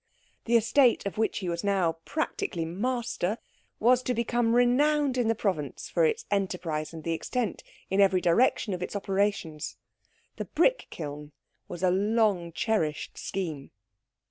The estate of which he was now practically master was to become renowned in the province for its enterprise and the extent, in every direction, of its operations. The brick kiln was a long cherished scheme.